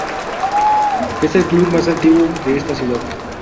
Es el club más antiguo de esta ciudad.